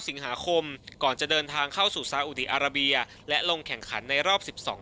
สิงหาคมก่อนจะเดินทางเข้าสู่ซาอุดีอาราเบียและลงแข่งขันในรอบสิบสอง